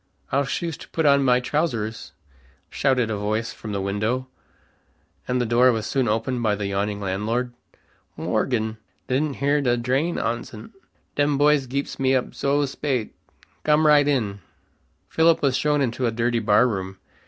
I'll shoost put on my trowsers," shouted a voice from the window, and the door was soon opened by the yawning landlord. "Morgen! Didn't hear d' drain oncet. Dem boys geeps me up zo spate. Gom right in." Philip was shown into a dirty bar room.